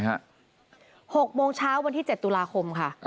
๖โมงเช้าวันที่๗ตุลาคมค่ะ